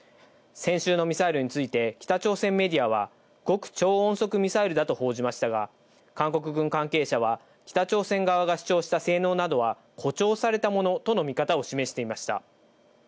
先週のミサイルについて、北朝鮮メディアは、極超音速ミサイルだと報じましたが、韓国軍関係者は、北朝鮮側が主張した性能などは、誇張されたものとの見方を示していました。